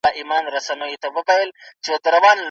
خط په ډېر احتیاط سره لیکل سوی دی.